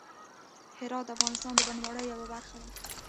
هرات د افغانستان د بڼوالۍ یوه برخه ده.